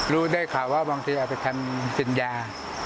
รู้ได้ค่ะว่าบางทีอาวุธทรรมสินยา